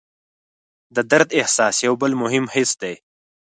د درد احساس یو بل مهم حس دی.